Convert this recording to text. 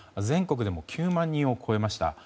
全国でも９万人を超えました。